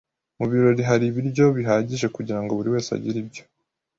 Mu birori hari ibiryo bihagije kugirango buriwese agire ibyo.